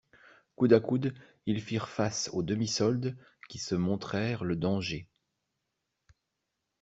Coude à coude, ils firent face aux demi-soldes, qui se montrèrent le danger.